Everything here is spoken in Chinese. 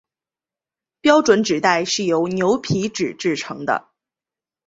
标准纸袋是由牛皮纸制成的。